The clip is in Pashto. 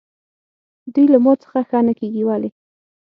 دوی له ما څخه ښه نه کېږي، ولې؟